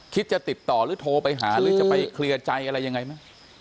จะติดต่อหรือโทรไปหาหรือจะไปเคลียร์ใจอะไรยังไงไหม